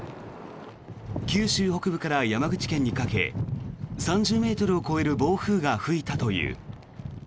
九州北部から山口県にかけ３０ｍを超える暴風が吹いたという。